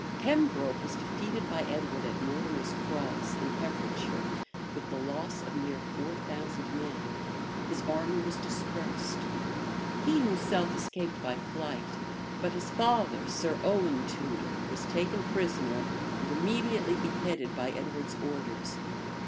Pembroke was defeated by Edward at Mortimer's Cross, in Herefordshire, with the loss of near four thousand men: his army was dispersed; he himself escaped by flight; but his father, Sir Owen Tudor, was taken prisoner, and immediately beheaded by Edward's orders.